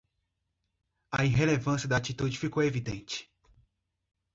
A irrelevância da atitude ficou evidente